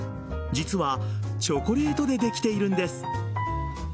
実はチョコレートでできているんです。